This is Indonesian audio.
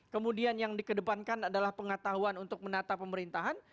kemudian yang dikedepankan adalah pengetahuan untuk menata pemerintahan